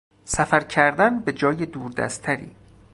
سفر کردن به جای دوردستتری